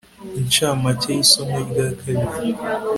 incamake y isomo rya kabiri